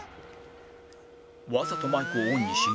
わざとマイクをオンにし